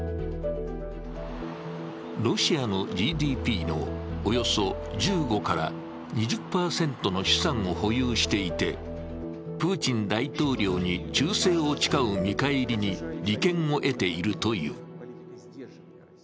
ロシアのＧＤＰのおよそ１５２０％の資産を保有していてプーチン大統領に忠誠を誓う見返りに利権を得ているという。